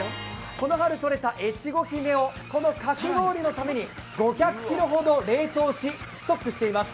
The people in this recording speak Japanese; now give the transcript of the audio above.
この春とれた越後姫を、このかき氷のために５００ｋｇほど冷凍し、ストックしています。